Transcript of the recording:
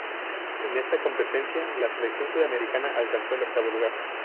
En esta competencia, la selección sudamericana alcanzó el octavo lugar.